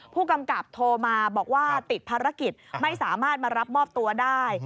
ผู้กำกับโทรมาบอกว่าติดภารกิจไม่สามารถมารับมอบตัวได้